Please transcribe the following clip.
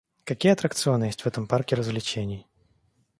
Какие аттракционы есть в этом парке развлечений?